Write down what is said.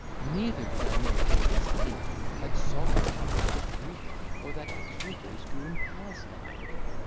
neither did I know till this minute, that Solomon understood Greek, or that potatoes grew in Palestine."